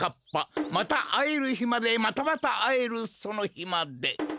またあえるひまでまたまたあえるそのひまで。